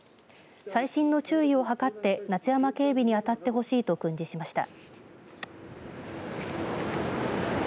細心の注意を図って夏山警備に当たってほしいと訓示しました。